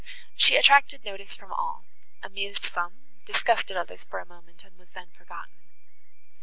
She attracted notice from all; amused some, disgusted others for a moment, and was then forgotten.